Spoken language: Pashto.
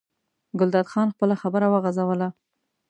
ګلداد خان خپله خبره وغځوله.